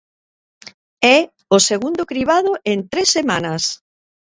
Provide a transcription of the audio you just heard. É o segundo cribado en tres semanas.